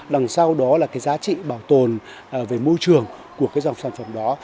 đằng sau đó là giá trị bảo tồn về môi trường của dòng sản phẩm đó